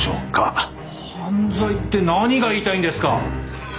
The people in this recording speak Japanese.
犯罪って何が言いたいんですか！？